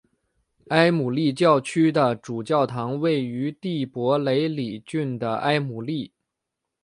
埃姆利教区的主教堂位于蒂珀雷里郡的埃姆利。